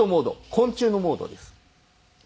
昆虫のモードです。